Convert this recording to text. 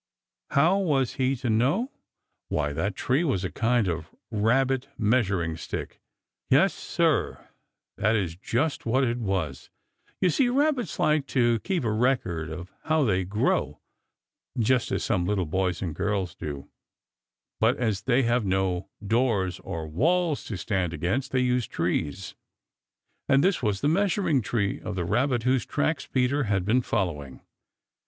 How was he to know? Why, that tree was a kind of Rabbit measuring stick. Yes, Sir, that is just what it was. You see, Rabbits like to keep a record of how they grow, just as some little boys and girls do, but as they have no doors or walls to stand against, they use trees. And this was the measuring tree of the Rabbit whose tracks Peter had been following.